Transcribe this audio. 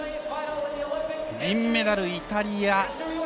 銀メダル、イタリア。